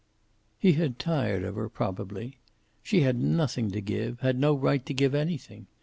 He had tired of her, probably. She had nothing to give, had no right to give anything.